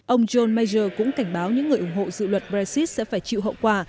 ông john mayer cũng cảnh báo những người ủng hộ dự luật brexit sẽ phải chịu hậu quả